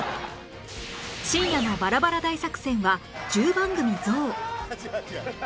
深夜のバラバラ大作戦は１０番組増